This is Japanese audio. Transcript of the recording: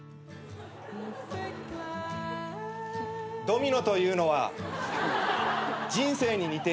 ドミノというのは人生に似ている。